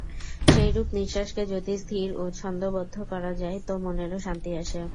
সেইরূপ নিঃশ্বাসকে যদি স্থির ও ছন্দোবদ্ধ করা যায় তো মনেরও শান্তি আসে।